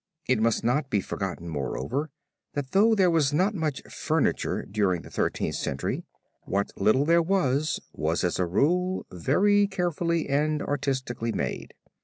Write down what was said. It must not be forgotten, moreover, that though there was not much furniture during the Thirteenth Century what little there was, was as a rule very carefully and artistically made.